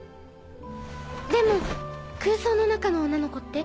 でも空想の中の女の子って？